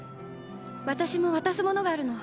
私も渡すものがあるの」